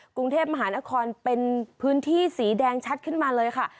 กรุงเทพมหานครเป็นพื้นที่สีแดงชัดขึ้นมาเลยค่ะ